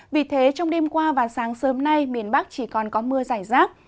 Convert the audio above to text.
vì thế trong đêm qua và sáng sớm nay miền bắc chỉ còn có mưa giải rác